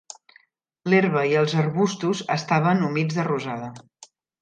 L'herba i els arbustos estaven humits de rosada.